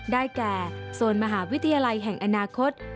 ได้แก่โซนมหาวิทยาลัยแห่งอนาคต